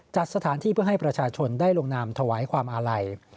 จัดสถานที่เพื่อให้ประชาชนได้ลงนามถวายความอาลัย